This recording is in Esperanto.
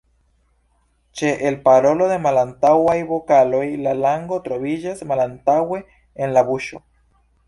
Ĉe elparolo de malantaŭaj vokaloj la lango troviĝas malantaŭe en la buŝo.